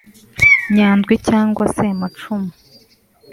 Nyandwi cyangwa se Macumi